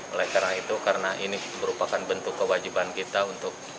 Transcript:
oleh karena itu karena ini merupakan bentuk kewajiban kita untuk